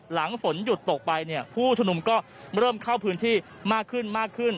หลังฝนหยุดตกไปเนี่ยผู้ชมนุมก็เริ่มเข้าพื้นที่มากขึ้นมากขึ้น